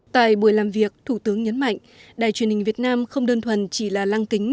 tại buổi làm việc thủ tướng nhấn mạnh đài truyền hình việt nam không đơn thuần chỉ là lăng kính